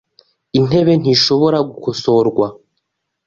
Intebe ntishobora gukosorwa .